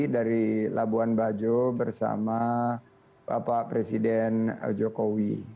dari labuan bajo bersama bapak presiden jokowi